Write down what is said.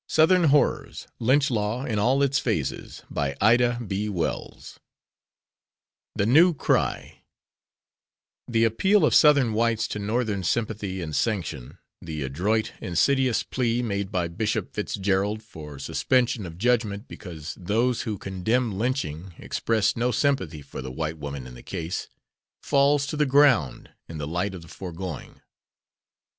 The grand jury refused to indict him and he was discharged. 3 The NEW CRY The appeal of Southern whites to Northern sympathy and sanction, the adroit, insiduous plea made by Bishop Fitzgerald for suspension of judgment because those "who condemn lynching express no sympathy for the white woman in the case," falls to the ground in the light of the foregoing.